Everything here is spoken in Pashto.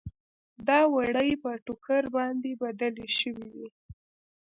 دا وړۍ په ټوکر باندې بدلې شوې دي.